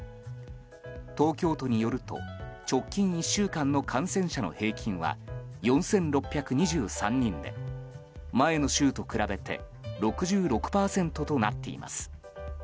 東京都によると直近１週間の感染者の平均は４６２３人で前の週と比べて６６％となっています。